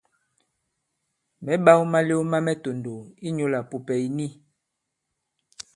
Mɛ̌ ɓāw malew ma mɛ tòndow inyūlā pùpɛ̀ ì ni.